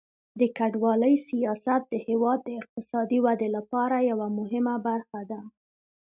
د کډوالۍ سیاست د هیواد د اقتصادي ودې لپاره یوه مهمه برخه ده.